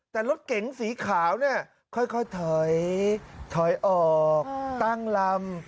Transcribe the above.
แต่รถเก๋งสีขาวเนี่ยค่อยถอยออกตั้งลำ